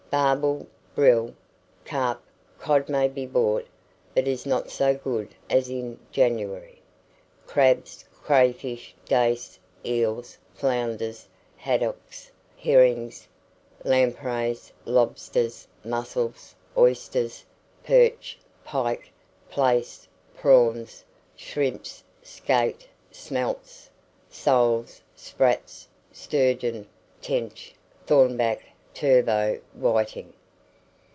Barbel, brill, carp, cod may be bought, but is not so good as in January, crabs, crayfish, dace, eels, flounders, haddocks, herrings, lampreys, lobsters, mussels, oysters, perch, pike, plaice, prawns, shrimps, skate, smelts, soles, sprats, sturgeon, tench, thornback, turbot, whiting.